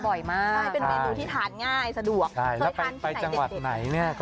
โอ๊ยทานก๋วยเตี๋ยวบ่อยมาก